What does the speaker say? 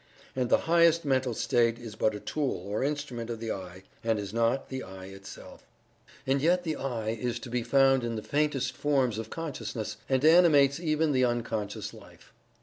And the highest mental state is but a tool or instrument of the "I," and is not the "I" itself. And yet the "I" is to be found in the faintest forms of consciousness, and animates even the unconscious life.